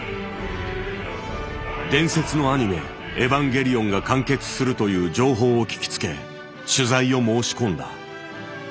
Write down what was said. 伝説のアニメ「エヴァンゲリオン」が完結するという情報を聞きつけ取材を申し込んだ。